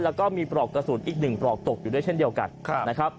แล้วก็มีปลอกกระสุนอีก๑ปลอกตกอยู่ด้วยเช่นเดียวกันนะครับ